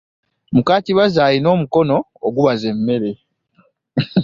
Muka Kibazo alina omukono ogubaza emmere!